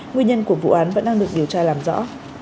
nguyên nhân của vụ án vẫn đang được điều tra làm rõ